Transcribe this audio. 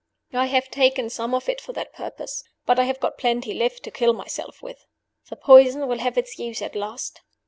I have taken some of it for that purpose; but I have got plenty left to kill myself with. The poison will have its use at last.